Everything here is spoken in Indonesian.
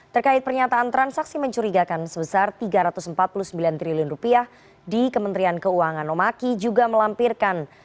terkait pernyataan transaksi mencurigakan sebesar rp tiga ratus empat puluh sembilan triliun di kementerian keuangan nomaki juga melampirkan